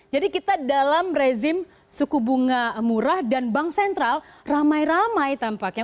jadi kita dalam rezim suku bunga murah dan bank sentral ramai ramai tampaknya